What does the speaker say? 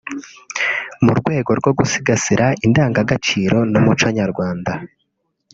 mu rwego rwo gusigasira indangaciro n’umuco nyarwanda